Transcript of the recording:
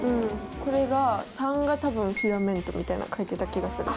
これがが多分フィラメントみたいなの書いてた気がする。